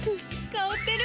香ってる！